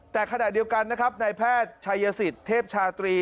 แต่ขณะเดียวกันนะครับนายแพทย์ชัยสิทธิ์เทพชาตรี